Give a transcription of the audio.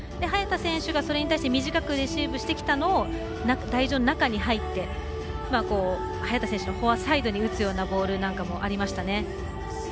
早田選手がそれに対して短くレシーブしてきたのを台上の中に入って早田選手のフォアサイドに打つようなボールなんかもありましたね。